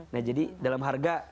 nah jadi dalam harga